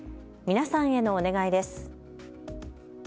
皆さんへのお願いです。